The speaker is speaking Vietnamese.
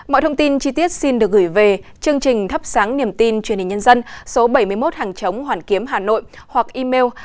mọi thông tin chi tiết xin được gửi về chương trình thắp sáng niềm tin truyền hình nhân dân số bảy mươi một hàng chống hoàn kiếm hà nội hoặc email